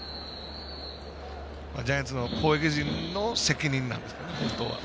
ジャイアンツの攻撃陣の責任なんですよね、本当は。